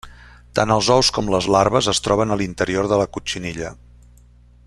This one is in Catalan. Tant els ous com les larves, es troben a l'interior de la cotxinilla.